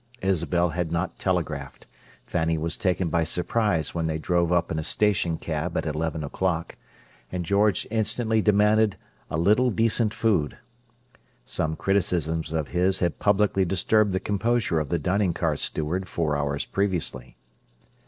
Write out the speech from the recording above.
Isabel had not telegraphed; Fanny was taken by surprise when they drove up in a station cab at eleven o'clock; and George instantly demanded "a little decent food." (Some criticisms of his had publicly disturbed the composure of the dining car steward four hours previously.)